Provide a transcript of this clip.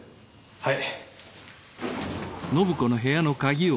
はい。